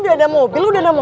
maaf mbak tunggu lama ya